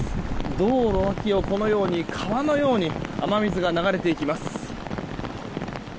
道路の脇を川のように雨水が流れていきます。